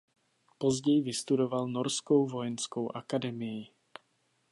Později vystudoval "Norskou vojenskou akademii".